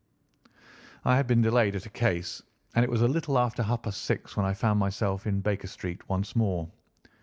I had been delayed at a case, and it was a little after half past six when I found myself in Baker Street once more.